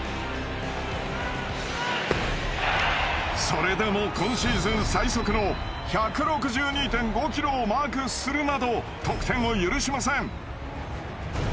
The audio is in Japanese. それでも今シーズン最速の１６２．５キロをマークするなど得点を許しません。